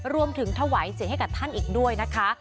รวมถึงถวายเสียงให้กับท่านอีกด้วยนะคะ